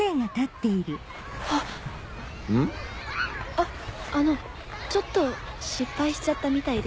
あっあのちょっと失敗しちゃったみたいで。